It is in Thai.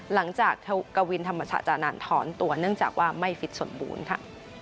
หลังจากกวินธรรมศาจานันถอนตัวเนื่องจากว่าไม่ฟิตสมบูรณ์ค่ะ